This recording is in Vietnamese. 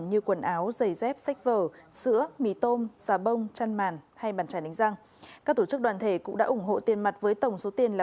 như quần áo giày dép sách vở sữa mì tôm xà bông chăn màn hay bàn chải đánh răng